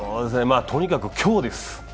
とにかく今日です。